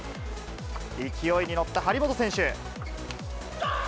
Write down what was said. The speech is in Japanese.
勢いに乗った張本選手。